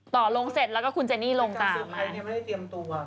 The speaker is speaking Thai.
ต่อลงเสร็จแล้วก็คุณเจนี่ลงต่อมาแต่การเตรียมไม่ได้เตรียมตัว